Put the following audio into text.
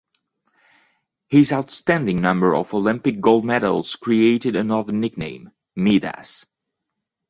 His outstanding number of Olympic Gold Medals created another nickname "Midas".